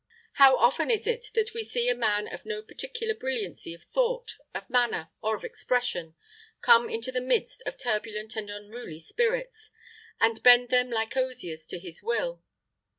How often is it that we see a man of no particular brilliance of thought, of manner, or of expression, come into the midst of turbulent and unruly spirits, and bend them like osiers to his will.